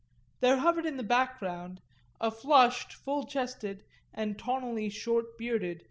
There hovered in the background a flushed, full chested and tawnily short bearded M.